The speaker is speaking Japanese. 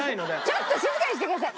ちょっと静かにしてください。